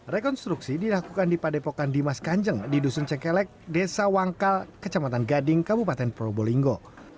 rekonstruksi dilakukan di padepokan dimas kanjeng di dusun cekelek desa wangkal kecamatan gading kabupaten probolinggo